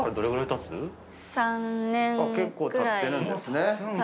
結構たってるんですね。